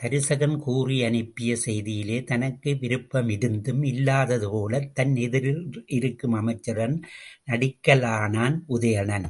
தருசகன் கூறி அனுப்பிய செய்தியிலே தனக்கு விருப்பம் இருந்தும், இல்லாததுபோலத் தன் எதிரில் இருக்கும் அமைச்சனிடம் நடிக்கலானான் உதயணன்.